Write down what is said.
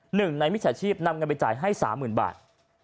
หนึ่งในมิจฉาชีพนำเงินไปจ่ายให้๓๐๐๐บาท